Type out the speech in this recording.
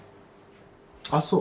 あそう。